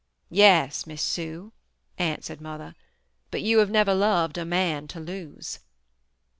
'Yes, Miss Sue,' answered Mother, 'but you have never loved a man to lose.'